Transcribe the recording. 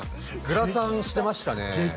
グラサンしてましたね激